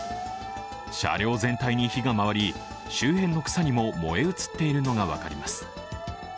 車両全体に火が回り、周辺の草にも燃え移っているのが分かります。